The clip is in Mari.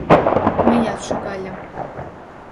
Мыят шогальым.